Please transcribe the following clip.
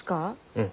うん。